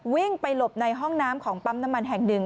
วิ่งไปหลบในห้องน้ำของปั๊มน้ำมันแห่งหนึ่ง